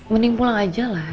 mending pulang aja lah